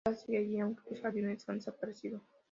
La casa sigue ahí, aunque los jardines han desaparecido.